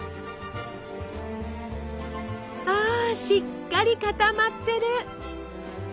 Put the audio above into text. ああしっかり固まってる。